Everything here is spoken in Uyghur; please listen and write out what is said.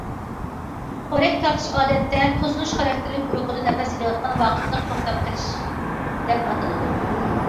خورەك تارتىش ئادەتتە توسۇلۇش خاراكتېرلىك ئۇيقۇدا نەپەس ئېلىش ۋاقىتلىق توختاش دەپ ئاتىلىدۇ.